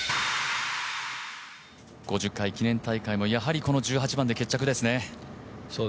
５０回記念大会もやはりこの１８番で決着ですね。